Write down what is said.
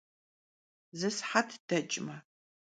Zı sıhet deç'me.